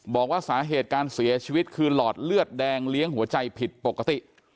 บอกว่าสาเหตุการเสียชีวิตคือหลอดเลือดแดงเลี้ยงหัวใจผิดปกติ